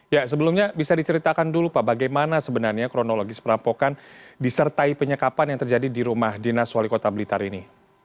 ya sebelumnya bisa diceritakan dulu pak bagaimana sebenarnya kronologis perampokan disertai penyekapan yang terjadi di rumah dinas wali kota blitar ini